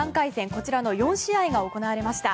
こちらの４試合が行われました。